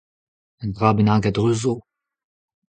Un dra bennak a-dreuz zo ?